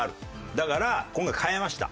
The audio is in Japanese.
だから今回変えました。